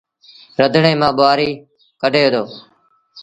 رڌڻي مآݩ ٻوهآريٚ ڪڍي دو۔